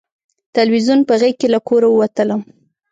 تلویزیون په غېږ له کوره ووتلم